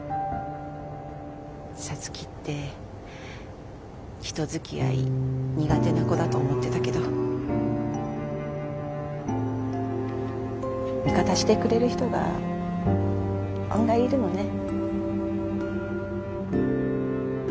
皐月って人づきあい苦手な子だと思ってたけど味方してくれる人が案外いるのね。